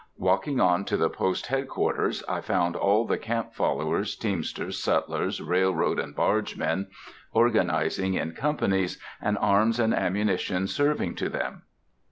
Walking on to the post head quarters, I found all the camp followers, teamsters, sutlers, railroad and barge men, organizing in companies, and arms and ammunition serving to them.